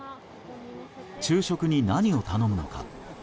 昼食に何を頼むか。